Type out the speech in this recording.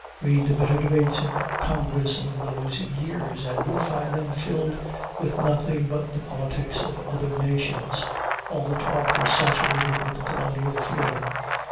Read the bitter debates in Congress of those years, and you find them filled with nothing but the politics of other nations. All the talk is saturated with colonial feeling.